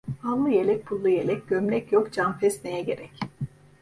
Allı yelek, pullu yelek; gömlek yok canfes neye gerek?